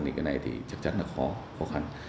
thì cái này thì chắc chắn là khó khăn